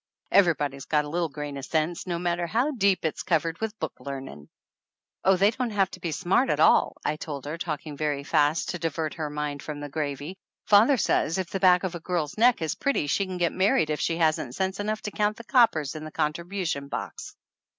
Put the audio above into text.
Ever'body's got a little gram o' sense, no matter how deep it's covered with book learnin'." "Oh, they don't have to be smart at all," I told her, talking very fast to divert her mind from the gravy. "Father says if the back of a girl's neck is pretty she can get married if she hasn't sense enough to count the coppers in the contribution box."